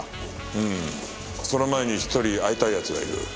うんその前に１人会いたい奴がいる。